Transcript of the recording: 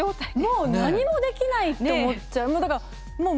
もう何もできないと思っちゃう。